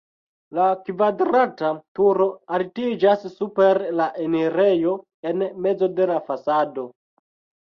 La kvadrata turo altiĝas super la enirejo en mezo de la fasado.